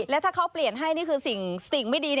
แล้วถ้าเขาเปลี่ยนให้นี่คือสิ่งไม่ดี